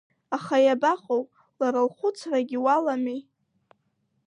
Аха иабаҟоу, лара лхәыцрагьы уаламеи.